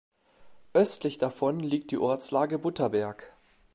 Östlich davon liegt die Ortslage "Butterberg".